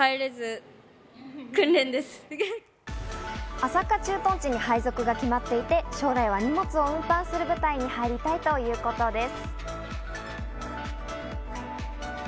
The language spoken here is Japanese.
朝霞駐屯地に配属が決まっていて、将来は荷物を運搬する部隊に入りたいということです。